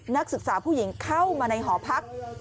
นักศึกษาผู้หญิงเข้ามาในหอพัก